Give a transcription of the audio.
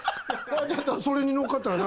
それに乗っかったら、何？